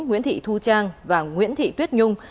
nguyễn thị thu trang và nguyễn thị tuyết nhung